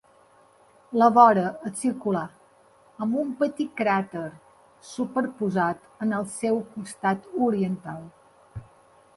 La vora és circular, amb un petit cràter superposat en el seu costat oriental.